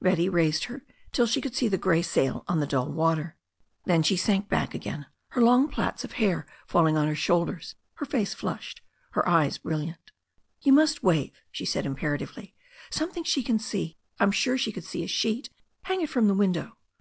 Betty raised her till she could see the grey sail on the dull water. Then she sank back THE STORY OF A NEW ZEALAND RIVER 249 again, her long plaits of hair falling about her shoulders, her face flushed, her eyes brilliant. "You must wave," she said imperatively, "something she can see. I am sure she could see a sheet. Hang it from the window."